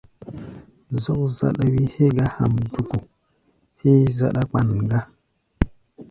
Zɔ́k záɗá wí hégá hamduku héé záɗá-kpan gá.